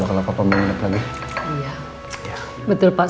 kalau papa mengundur lagi betul pak surya always welcome pak terima kasih